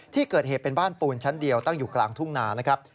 ที่เกิดเหตุเป็นบ้านปูนชั้นเดียวตั้งอยู่กลางทุ่งนานะครับ